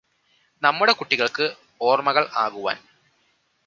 നമ്മുടെ കുട്ടികൾക്ക് ഓർമ്മകൾ ആകുവാൻ